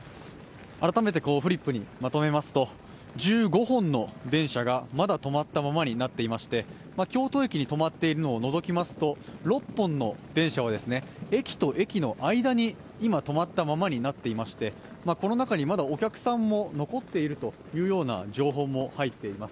改めてフリップにまとめますと、１５本の電車がまだ止まったままになっていまして京都駅に止まっているのを除きますと６本の電車は駅と駅の間に今、止まったままになっていまして、この中にまだお客さんも残っているという情報も入っています。